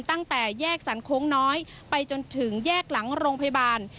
ตั้งแต่แยกสรรโค้งน้อยไปจนถึงแยกหลังโรงพยาบาล